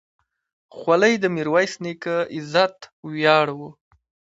خولۍ د میرویس نیکه عزت ویاړ و.